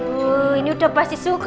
aduh ini udah pasti suka pak